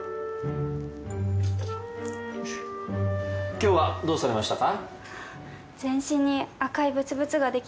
今日はどうされましたか？